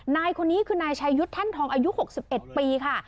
นายคนนี้คือนายชายุทธ์แท่นทองอายุ๖๑ปีค่ะ